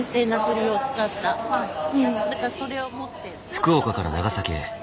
福岡から長崎へ。